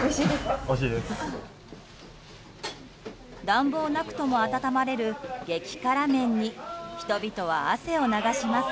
暖房なくとも温まれる激辛麺に人々は汗を流します。